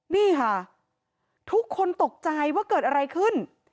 นี่ค่ะทุกคนตกใจว่าเกิดอะไรขึ้น